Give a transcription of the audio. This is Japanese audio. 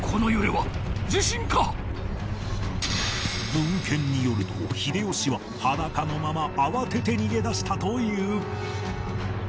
文献によると秀吉は裸のまま慌てて逃げ出したという